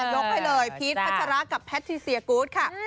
ยกให้เลยพีชพัชรากับแพทิเซียกูธค่ะ